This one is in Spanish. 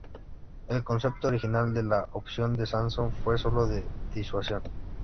El concepto original de la Opción de Sansón fue sólo de disuasión.